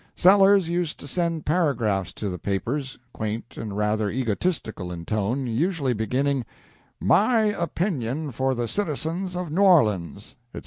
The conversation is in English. Sellers used to send paragraphs to the papers, quaint and rather egotistical in tone, usually beginning, "My opinion for the citizens of New Orleans," etc.